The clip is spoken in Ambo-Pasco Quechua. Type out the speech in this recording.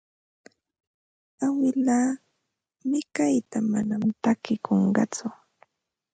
Awilaa Mikayla manam takikunqatsu.